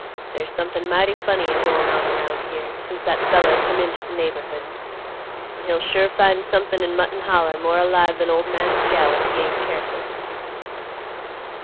There's somethin' mighty funny a goin' on around here, since that feller come int' th' neighborhood; an' he'll sure find somethin' in Mutton Holler more alive than Ol' Matt's gal if he ain't careful."